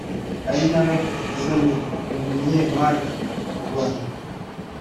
ari na we wazanye uyu munyemari mu Rwanda